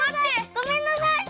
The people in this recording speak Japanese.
ごめんなさい。